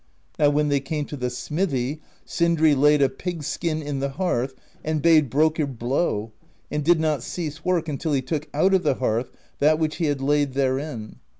Now when they came to the smithy, Sindri laid a pigskin in the hearth and bade Brokkr blow, and did not cease work until he took out of the hearth that which he had laid therein.